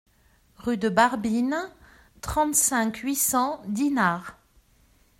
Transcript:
Rue de Barbine, trente-cinq, huit cents Dinard